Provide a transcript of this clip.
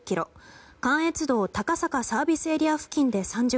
関越道高坂ＳＡ付近で３０ｋｍ